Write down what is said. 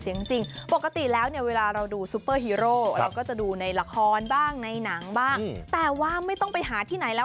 จริงปกติแล้วเนี่ยเวลาเราดูซุปเปอร์ฮีโร่เราก็จะดูในละครบ้างในหนังบ้างแต่ว่าไม่ต้องไปหาที่ไหนแล้ว